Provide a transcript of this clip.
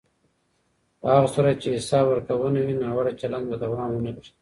په هغه صورت کې چې حساب ورکونه وي، ناوړه چلند به دوام ونه کړي.